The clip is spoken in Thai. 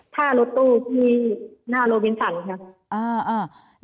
ถ้ารถตู้ที่หน้าโรบินสันค่ะ